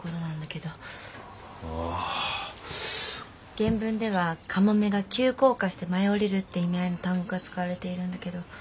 原文ではカモメが急降下して舞い降りるって意味合いの単語が使われているんだけど。